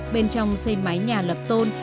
bên trong xây mái nhà lập tôn